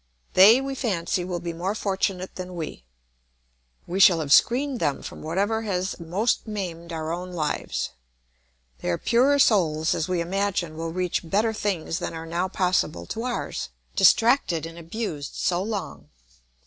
They, we fancy, will be more fortunate than we; we shall have screened them from whatever has most maimed our own lives. Their purer souls, as we imagine, will reach better things than are now possible to ours, distracted and abused so long.